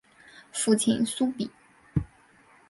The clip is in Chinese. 父亲苏玭。